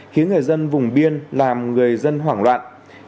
khiến người dân vùng biên làm người dân hoảng loạn